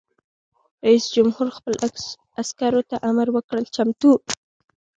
رئیس جمهور خپلو عسکرو ته امر وکړ؛ چمتو!